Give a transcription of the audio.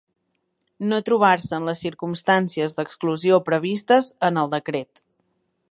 No trobar-se en les circumstàncies d'exclusió previstes en el Decret.